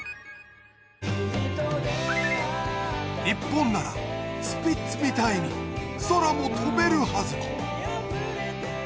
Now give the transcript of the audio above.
日本ならスピッツみたいに空も飛べるはず！